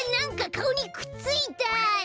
かおにくっついた！